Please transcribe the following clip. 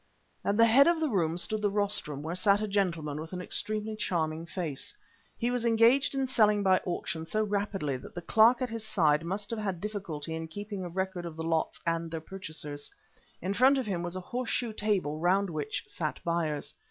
At the head of the room stood the rostrum, where sat a gentleman with an extremely charming face. He was engaged in selling by auction so rapidly that the clerk at his side must have had difficulty in keeping a record of the lots and their purchasers. In front of him was a horseshoe table, round which sat buyers.